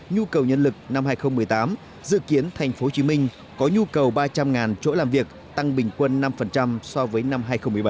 nhu cầu nhân lực năm hai nghìn một mươi tám dự kiến tp hcm có nhu cầu ba trăm linh chỗ làm việc tăng bình quân năm so với năm hai nghìn một mươi bảy